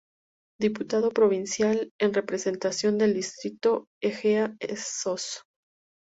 Diputado Provincial en representación del distrito Ejea-Sos.